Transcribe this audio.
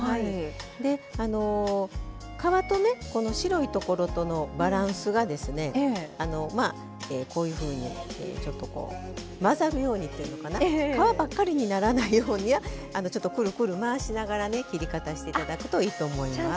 で皮とねこの白いところとのバランスがですねこういうふうにちょっとこうまざるようにというのかな皮ばっかりにならないようにちょっとくるくる回しながらね切り方して頂くといいと思います。